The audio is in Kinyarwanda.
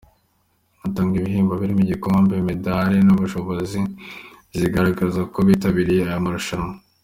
Hatangwa ibihembo birimo ibikombe, imidari n’impamyabushobozi zigaragaza ko bitabiriye aya marushanwa.